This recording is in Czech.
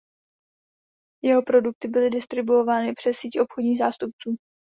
Jeho produkty byly distribuovány přes síť obchodních zástupců.